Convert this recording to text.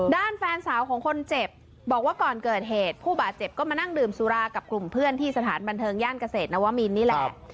ด้านแฟนสาวของคนเจ็บบอกว่าก่อนเกิดเหตุผู้บาดเจ็บก็มานั่งดื่มสุรากับกลุ่มเพื่อนที่สถานบันเทิงย่านเกษตรนวมินนี่แหละ